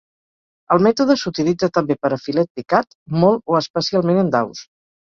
El mètode s'utilitza també per a filet picat, molt o especialment en daus.